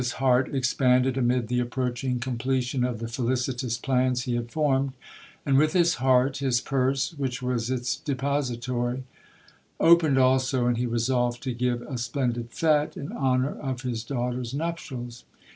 'Aliaga's heart expanded amid the approaching completion of the felicitous plans he had formed, and with his heart, his purse, which was its depositary, opened also, and he resolved to give a splendid fete in honour of his daughter's nuptials.